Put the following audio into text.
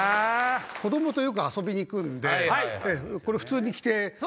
子供とよく遊びに行くんでこれ普通に着て。